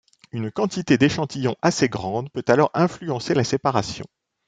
Une quantité d'échantillon assez grande peut alors influencer la séparation.